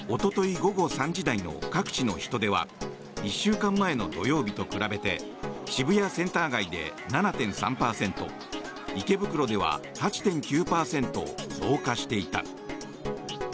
午後３時台の各地の人出は１週間前の土曜日と比べて渋谷センター街で７．３％池袋では８．９％増加していた。